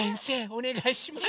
おねがいします。